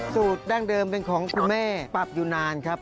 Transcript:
ดั้งเดิมเป็นของคุณแม่ปรับอยู่นานครับ